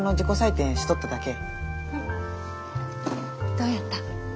どうやった？